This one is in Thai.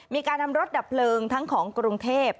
มีการทำรถดับเพลิงทั้งของกรุงเทพ